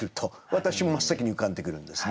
私も真っ先に浮かんでくるんですね。